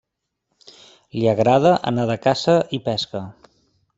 Li agrada anar de caça i pesca.